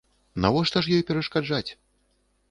Навошта ж ёй перашкаджаць.